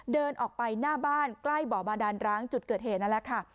เดินออกไปหน้าบ้านใกล้บ่อบาดานร้างจุดเกิดเหตุนั่นแหละค่ะ